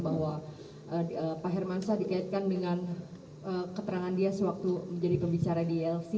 bahwa pak hermansyah dikaitkan dengan keterangan dia sewaktu menjadi pembicara di lc